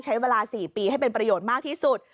ใช้เวลา๔ปีให้เป็นประโยชน์มากที่สุด